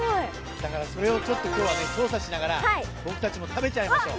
だからそれを調査しながら僕たちも食べちゃいましょう。